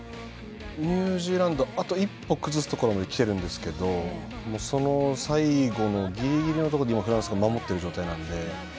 ニュージーランドあと一歩崩すところまできていますがその最後のギリギリのところで今、フランスが守っている状態なので。